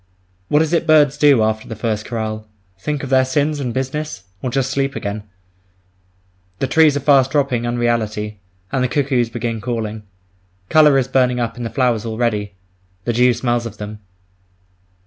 What is it birds do after the first Chorale? Think of their sins and business? Or just sleep again? The trees are fast dropping unreality, and the cuckoos begin calling. Colour is burning up in the flowers already; the dew smells of them.